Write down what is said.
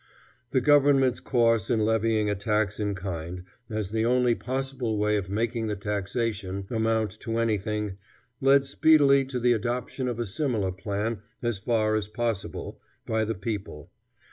The government's course in levying a tax in kind, as the only possible way of making the taxation amount to anything, led speedily to the adoption of a similar plan, as far as possible, by the people.